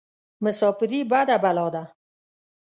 مساپرى بده بلا ده.